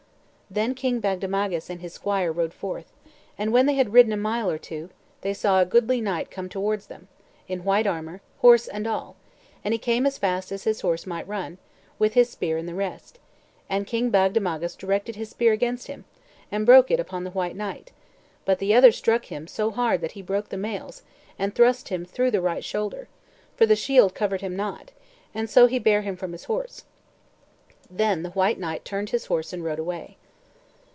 Then King Bagdemagus and his squire rode forth: and when they had ridden a mile or two, they saw a goodly knight come towards them, in white armor, horse and all; and he came as fast as his horse might run, with his spear in the rest; and King Bagdemagus directed his spear against him, and broke it upon the white knight, but the other struck him so hard that he broke the mails, and thrust him through the right shoulder, for the shield covered him not, and so he bare him from his horse. Then the white knight turned his horse and rode away.